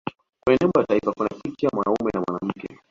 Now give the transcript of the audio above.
kwenye nembo ya taifa kuna picha ya mwanaume na mwanamke